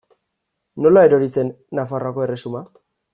Nola erori zen Nafarroako erresuma?